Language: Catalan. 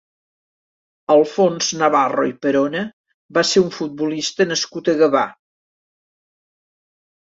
Alfons Navarro i Perona va ser un futbolista nascut a Gavà.